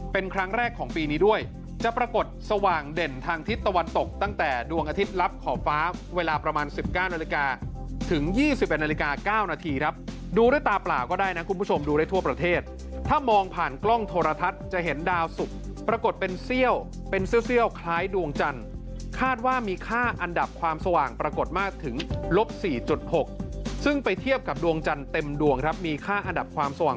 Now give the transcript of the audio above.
เป็นครั้งแรกของปีนี้ด้วยจะปรากฏสว่างเด่นทางทิศตะวันตกตั้งแต่ดวงอาทิตย์ลับขอบฟ้าเวลาประมาณ๑๙นาฬิกาถึง๒๑นาฬิกา๙นาทีครับดูด้วยตาเปล่าก็ได้นะคุณผู้ชมดูได้ทั่วประเทศถ้ามองผ่านกล้องโทรทัศน์จะเห็นดาวศุกร์ปรากฏเป็นเสี้ยวเป็นเสี้ยวคล้ายดวงจันทร์คาดว่ามีค่าอัน